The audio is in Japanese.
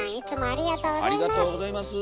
ありがとうございます。